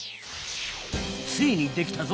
ついに出来たぞ。